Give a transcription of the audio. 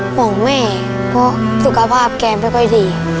ห่วงแอเพราะความพแก่ไม่ก็ดี